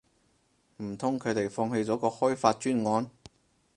唔通佢哋放棄咗個開發專案